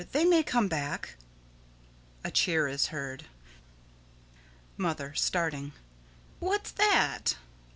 They may come back. [A cheer is heard.] Mother: [Starting.] What's that?